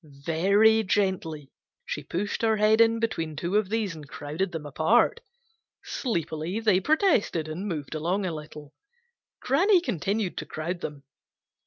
Very gently she pushed her head in between two of these and crowded them apart. Sleepily they protested and moved along a little. Granny continued to crowd them.